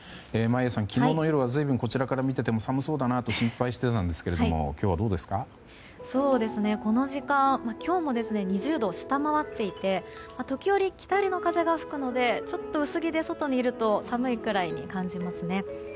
眞家さん、昨日の夜は随分こちらから見ていても寒そうだなと心配していたんですがこの時間今日も２０度を下回っていて時折北寄りの風が吹くのでちょっと薄着で外にいると寒いくらいに感じますね。